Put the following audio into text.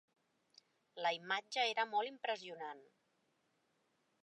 La imatge era molt impressionant.